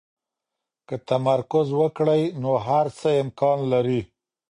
که تمرکز وکړئ، نو هر څه امکان لري.